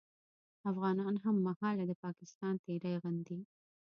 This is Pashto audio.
افغانان هممهاله د پاکستان تېری غندي